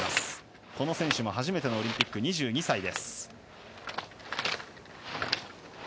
この選手も初めてのオリンピック２２歳です。